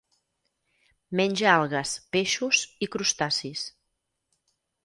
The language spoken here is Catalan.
Menja algues, peixos i crustacis.